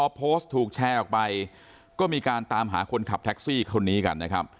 พอโพสต์ถูกแชร์ออกไปก็มีการตามหาคนขับแท็กซี่คนนี้กันนะครับ